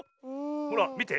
ほらみて。